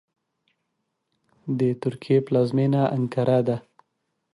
د ترکیې پلازمېنه انکارا ده .